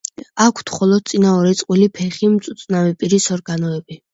აქვთ მხოლოდ წინა ორი წყვილი ფეხი, მწუწნავი პირის ორგანოები.